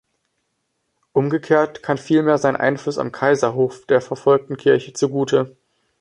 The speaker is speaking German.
Umgekehrt kam vielmehr sein Einfluss am Kaiserhof der verfolgten Kirche zugute.